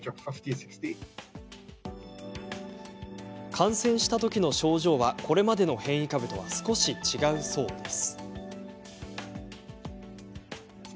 感染したときの症状はこれまでの変異株とは少し違うそうです。